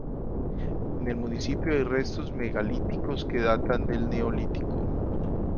En el municipio hay restos megalíticos que datan del Neolítico.